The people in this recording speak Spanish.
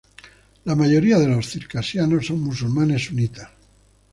La mayoría de los circasianos son musulmanes sunitas.